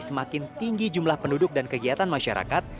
semakin tinggi jumlah penduduk dan kegiatan masyarakat